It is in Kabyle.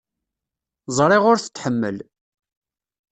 Ẓriɣ ur t-tḥemmel.